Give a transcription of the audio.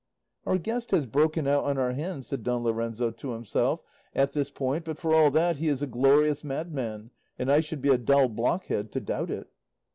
"Our guest has broken out on our hands," said Don Lorenzo to himself at this point; "but, for all that, he is a glorious madman, and I should be a dull blockhead to doubt it."